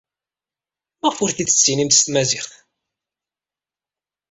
Maɣef ur t-id-tettinimt s tmaziɣt?